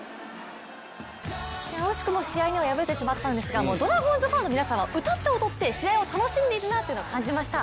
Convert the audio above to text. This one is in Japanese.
惜しくも試合には敗れてしまったんですがもうドラゴンズファンの皆さんは歌って踊って試合を楽しんでいるなっていうのを感じました。